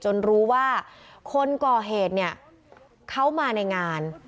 รู้ว่าคนก่อเหตุเนี่ยเขามาในงาน